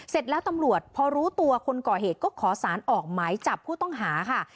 เสร็จแล้วตำรวจพอรู้ตัวคนก่อเหตุก็ขอสารออกหมายจับผู้ต้องหาค่ะ